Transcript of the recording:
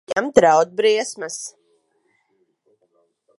Viņam draud briesmas.